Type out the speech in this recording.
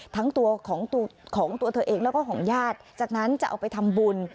ทั้งตัวของตัวของตัวเธอเองแล้วก็ของญาติจากนั้นจะเอาไปทำบุญ